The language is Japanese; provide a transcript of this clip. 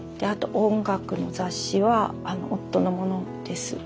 音楽の雑誌は夫のものです。